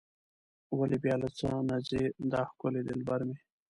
ولې بیا له څه نه ځي دا ښکلی دلبر مې.